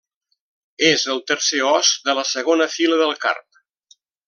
És el tercer os de la segona fila del carp.